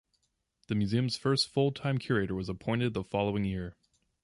The museum's first full-time curator was appointed the following year.